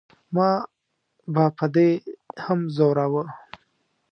ما به په دې هم زوراوه.